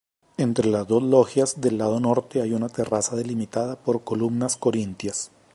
Entre las dos logias del lado norte hay una terraza delimitada por columnas corintias.